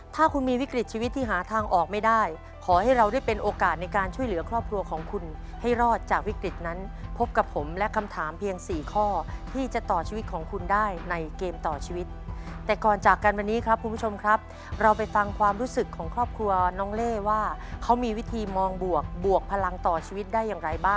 ถ้าคุณมีวิกฤตชีวิตที่หาทางออกไม่ได้ขอให้เราได้เป็นโอกาสในการช่วยเหลือครอบครัวของคุณให้รอดจากวิกฤตนั้นพบกับผมและคำถามเพียง๔ข้อที่จะต่อชีวิตของคุณได้ในเกมต่อชีวิตแต่ก่อนจากกันวันนี้ครับคุณผู้ชมครับเราไปฟังความรู้สึกของครอบครัวน้องเล่ว่าเขามีวิธีมองบวกบวกพลังต่อชีวิตได้อย่างไรบ้าง